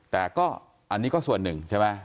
แต่ก็อันนี้ก็ส่วนหนึ่งใช่ไหม